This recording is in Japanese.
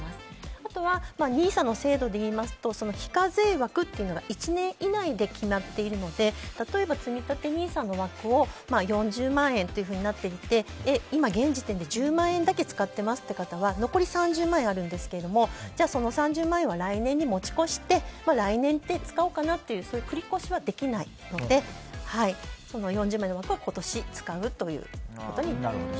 あとはＮＩＳＡの制度でいうと非課税枠というのが１年以内で決まっているので例えば、つみたてＮＩＳＡの枠を４０万円となっていて現時点で１０万円だけ使っていますという方は残り３０万円あるんですけどその３０万円は来年に持ち越して来年に使おうかなという繰り越しはできないので４０万円の枠は今年使うということになります。